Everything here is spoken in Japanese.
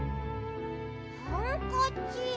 ハンカチ？